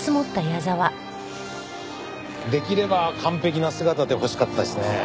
できれば完璧な姿で欲しかったですね。